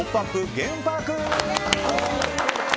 ゲームパーク！